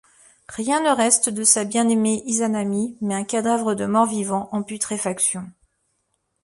Rien ne reste de sa bien-aimée Izanami mais un cadavre de mort-vivant en putréfaction.